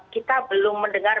kita belum mendengar